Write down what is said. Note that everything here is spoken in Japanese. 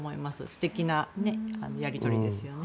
素敵なやり取りですよね。